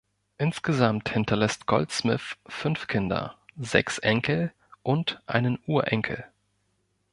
Insgesamt hinterlässt Goldsmith fünf Kinder, sechs Enkel und einen Urenkel.